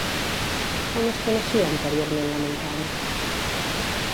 Com es coneixia anteriorment la muntanya?